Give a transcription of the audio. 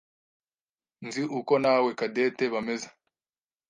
Nzi uko nawe Cadette bameze.